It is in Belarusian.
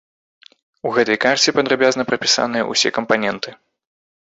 У гэтай карце падрабязна прапісаныя ўсё кампаненты.